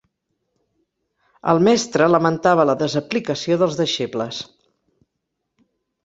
El mestre lamentava la desaplicació dels deixebles.